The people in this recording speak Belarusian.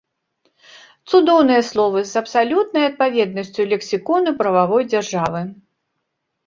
Цудоўныя словы з абсалютнай адпаведнасцю лексікону прававой дзяржавы.